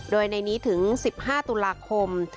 โดยในนี้ถึง๑๕ตุลาคม